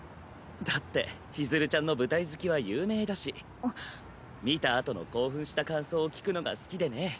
だってちづるちゃんの舞台好きは有名だし見たあとの興奮した感想を聞くのが好きでね。